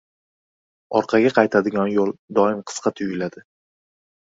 • Orqaga qaytadigan yo‘l doim qisqa tuyuladi.